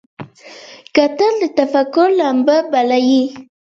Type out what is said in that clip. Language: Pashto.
کتل د تفکر لمبه بلي